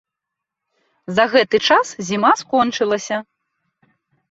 За гэты час зіма скончылася.